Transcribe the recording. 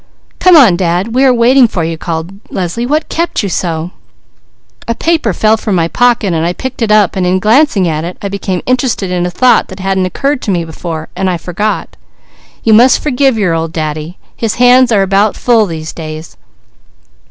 Come on Dad, we are waiting for you," called Leslie. "What kept you so?" "A paper fell from my pocket, so I picked it up and in glancing at it I became interested in a thought that hadn't occurred to me before, and I forgot. You must forgive your old Daddy; his hands are about full these days.